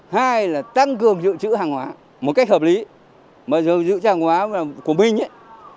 hai là tăng cường dự trữ hàng hóa một cách hợp lý mà dự trữ hàng hóa của mình ấy